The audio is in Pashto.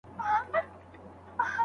د تاریخ لوستل د تېرو پېښو روښانول دي.